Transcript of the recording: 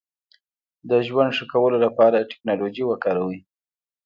د ژوند ښه کولو لپاره ټکنالوژي وکاروئ.